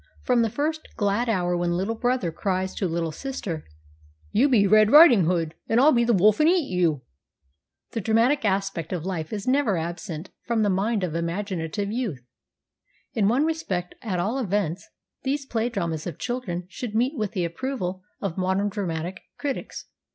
From the first glad hour when little brother cries to little sister, " You be Red Riding Hood, and I'll be the wolf and eat you !" the dramatic aspect of life is never absent from the mind of imaginative youth. In one respect, at all events, these play dramas of children should meet with the approval of modern dramatic critics.